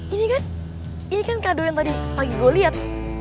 ini kan ini kan kado yang tadi pagi gue lihat